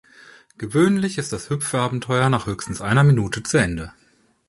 Gewöhnlich ist das Hüpf-Abenteuer nach höchstens einer Minute zu Ende.